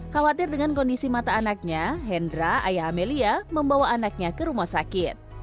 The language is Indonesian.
khawatir dengan kondisi mata anaknya hendra ayah amelia membawa anaknya ke rumah sakit